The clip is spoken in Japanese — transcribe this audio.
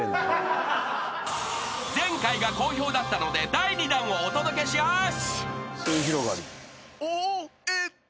［前回が好評だったので第２弾をお届けしやす］